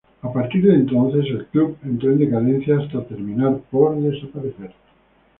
A partir de entonces el club entró en decadencia hasta terminar por desaparecer.